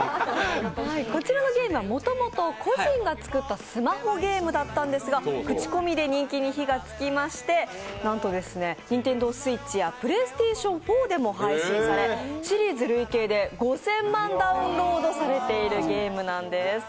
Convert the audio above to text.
こちらのゲームは、もともと個人が作ったスマホゲームだったんですが、口コミで人気に火がつきまして、なんとＮｉｎｔｅｎｄｏＳｗｉｔｃｈやＰｌａｙＳｔａｔｉｏｎ４でも配信されシリーズ累計で５０００万ダウンロードされているゲームなんです。